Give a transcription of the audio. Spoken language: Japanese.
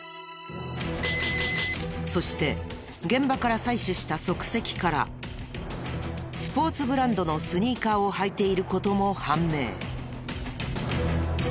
そして現場から採取した足跡からスポーツブランドのスニーカーを履いている事も判明。